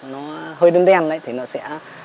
nó hơi đen đen đấy thì nó sẽ